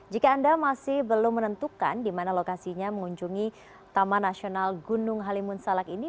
jika anda masih belum menentukan di mana lokasinya mengunjungi taman nasional gunung halimun salak ini